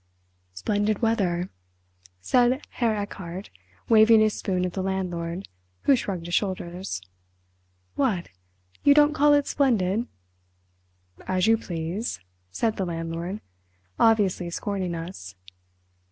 "Splendid weather!" said Herr Erchardt, waving his spoon at the landlord, who shrugged his shoulders. "What! you don't call it splendid!" "As you please," said the landlord, obviously scorning us.